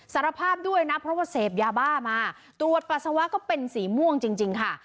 สารภาพด้วยนะเพราะว่าเสพยาบ้ามาตรวจปัสสาวะก็เป็นสีม่วงจริงค่ะ